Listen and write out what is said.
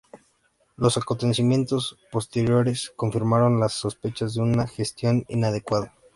Los acontecimientos posteriores confirmaron las sospechas de una gestión inadecuada.